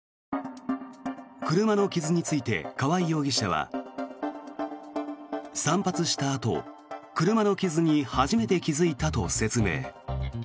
車の傷について川合容疑者は散髪したあと車の傷に初めて気付いたと説明。